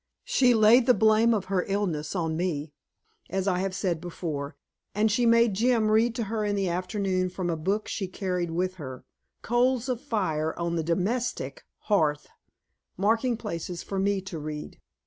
She laid the blame of her illness on me, as I have said before, and she made Jim read to her in the afternoon from a book she carried with her, Coals of Fire on the DOMESTIC Hearth, marking places for me to read.